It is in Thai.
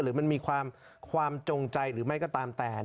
หรือมันมีความจงใจหรือไม่ก็ตามแต่